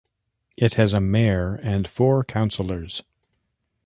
It has a mayor and four councillors.